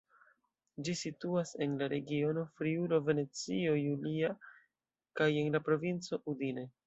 Ĝi situas en la regiono Friulo-Venecio Julia kaj en la provinco Udine.